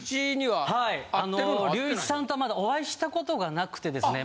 はい隆一さんとはまだお会いしたことがなくてですね。